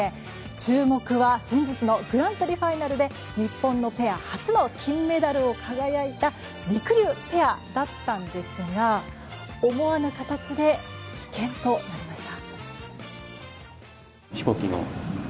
注目は先日のグランプリファイナルで日本のペア初の金メダルに輝いたりくりゅうペアだったんですが思わぬ形で棄権となりました。